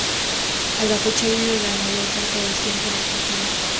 A la fecha vive la mayor parte del tiempo en Argentina.